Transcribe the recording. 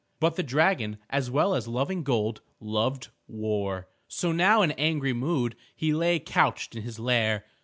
But the dragon, as well as loving gold, loved war. So now in angry mood he lay couched in his lair.